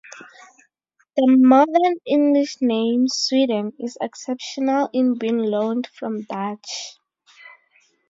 The modern English name "Sweden" is exceptional in being loaned from Dutch.